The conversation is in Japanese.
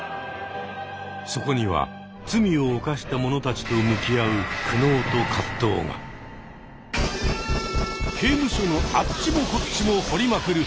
そこには罪を犯した者たちと向き合う刑務所のあっちもこっちも掘りまくる！